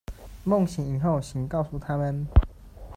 梦醒以后请告诉他们